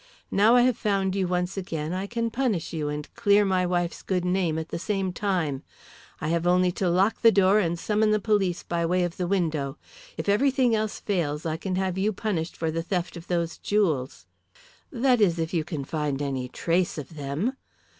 "Now I have found you once again I can punish you and clear my wife's good name at the same time. I have only to lock the door and summon the police by way of the window. If everything else fails I can have you punished for the theft of those jewels." "That is if you can find any trace of them."